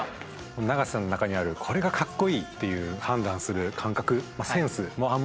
永瀬さんの中にあるこれがかっこいい！っていう判断する感覚